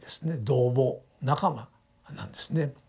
「同朋」仲間なんですね。